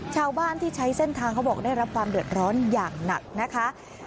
ชาวบ้านที่ใช้เส้นทางเขาบอกได้รับความเดือดร้อนอย่างหนักนะคะ